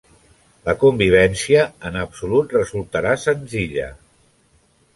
La convivència en absolut resultarà senzilla.